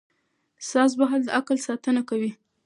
ساز وهل د عقل ساتنه کوي.